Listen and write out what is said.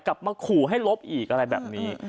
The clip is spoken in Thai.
กลับมาขู่ให้ลบอีกอะไรแบบนี้